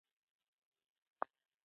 کرنه د اقتصاد بنسټ ګڼل کیږي.